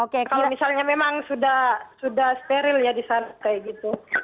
kalau misalnya memang sudah steril ya di sana kayak gitu